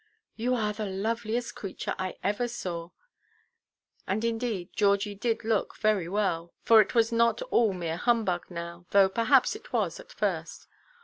"You are the loveliest creature I ever saw." And, indeed, Georgie did look very well, for it was not all mere humbug now, though perhaps it was at first.